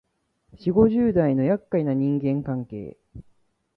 女五十代のやっかいな人間関係